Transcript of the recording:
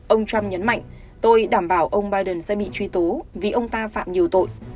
ông trump nhấn mạnh tôi đảm bảo ông biden sẽ bị truy tố vì ông ta phạm nhiều tội